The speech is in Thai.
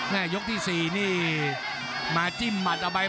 ภูตวรรณสิทธิ์บุญมีน้ำเงิน